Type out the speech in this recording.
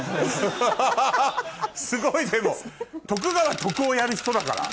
ハハハハすごいでも徳川徳男をやる人だから。